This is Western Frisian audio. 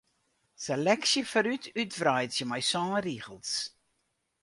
Seleksje foarút útwreidzje mei sân rigels.